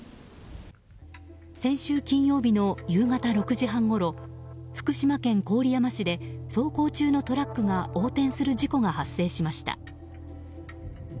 先週金曜日の夕方６時半ごろ福島県郡山市で走行中のトラックが横転する事故が発生しました。